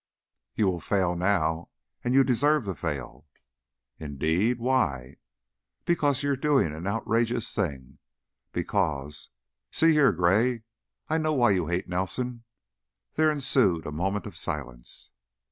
"You will fail now. And you deserve to fail." "Indeed? Why?" "Because you're doing an outrageous thing; because See here, Gray, I know why you hate Nelson." There ensued a moment of silence.